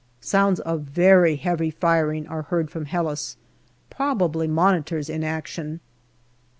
Sounds of very heavy firing are heard from Helles, probably Monitors in action.